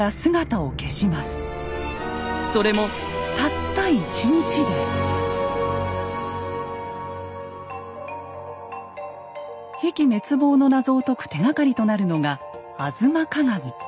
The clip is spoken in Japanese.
それも比企滅亡の謎を解く手がかりとなるのが「吾妻鏡」。